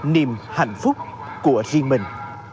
niềm hạnh phúc của riêng mình